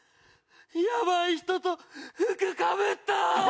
やばい人と服かぶった！